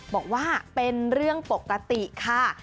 บอกว่าเป็นเรื่องปกติค่ะ